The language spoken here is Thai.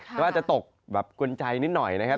แต่ว่าอาจจะตกแบบกวนใจนิดหน่อยนะครับ